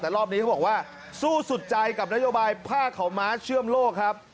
แต่รอบนี้เขาบอกว่าสู้สุดใจกับนโยบายผ้าขาวม้าเชื่อมโลกครับ